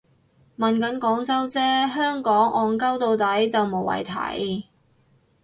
問緊廣州啫，香港戇 𨳊 到底就無謂提